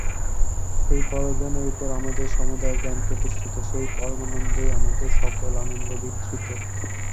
সেই পরজ্ঞানের উপর আমাদের সমুদয় জ্ঞান প্রতিষ্ঠিত, সেই পরমানন্দেই আমাদের সকল আনন্দ বিধৃত।